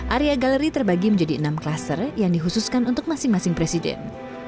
area galeri terbagi menjadi enam klaster yang dikhususkan untuk masing masing presiden